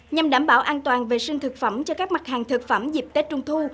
nhằm đảm bảo an toàn vệ sinh thực phẩm cho các mặt hàng thực phẩm dịp tết trung thu